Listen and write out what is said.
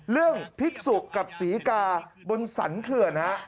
เรื่องพริกศุกร์กับศรีกาบนสันเขื่อน